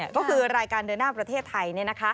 ก็คือรายการเดินหน้าประเทศไทย